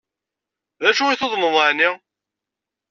D acu i tuḍneḍ ɛni?